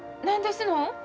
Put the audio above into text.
何ですのん？